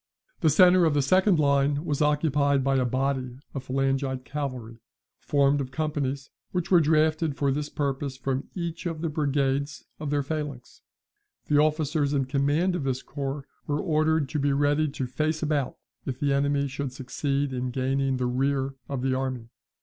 The centre of the second line was occupied by a body of phalangite infantry, formed of companies, which were drafted for this purpose from each of the brigades of their phalanx. The officers in command of this corps were ordered to be ready to face about, if the enemy should succeed in gaining the rear of the army.